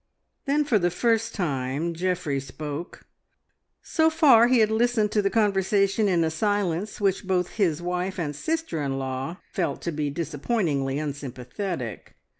Then for the first time Geoffrey spoke. So far he had listened to the conversation in a silence which both his wife and sister in law felt to be disappointingly unsympathetic.